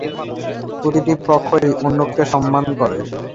প্রতিটি পক্ষই অন্যকে সম্মান করে।